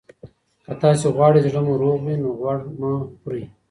که تاسي غواړئ زړه مو روغ وي، نو غوړ مه خورئ.